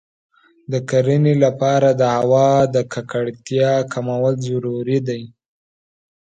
د کرنې لپاره د هوا د ککړتیا کمول ضروري دی.